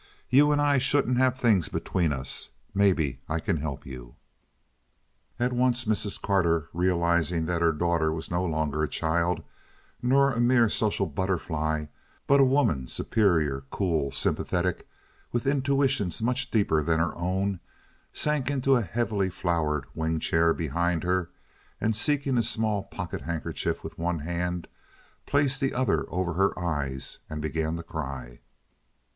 You and I shouldn't have things between us. Maybe I can help you." All at once Mrs. Carter, realizing that her daughter was no longer a child nor a mere social butterfly, but a woman superior, cool, sympathetic, with intuitions much deeper than her own, sank into a heavily flowered wing chair behind her, and, seeking a small pocket handkerchief with one hand, placed the other over her eyes and began to cry.